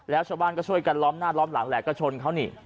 แล้วชาวบ้านก็ช่วยกันล้อมหน้าล้อมหลังแหละก็ชนเขานี่